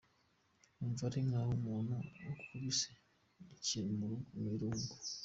"Wumva ari nkaho umuntu agukubise ikintu mu irugu.